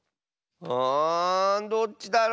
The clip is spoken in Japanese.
あどっちだろ？